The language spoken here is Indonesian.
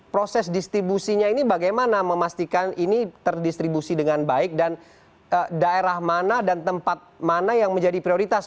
proses distribusinya ini bagaimana memastikan ini terdistribusi dengan baik dan daerah mana dan tempat mana yang menjadi prioritas